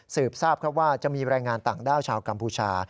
ทราบครับว่าจะมีแรงงานต่างด้าวชาวกัมพูชา